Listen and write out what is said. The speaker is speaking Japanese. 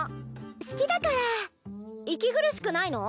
好きだから息苦しくないの？